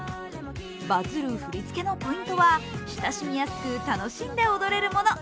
バズる振り付けのポイントは親しみやすく、楽しんで踊れるもの。